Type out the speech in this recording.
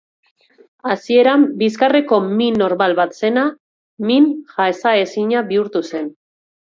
Hasieran bizkarreko min normal bat zena, min jasanezina bihurtu zen.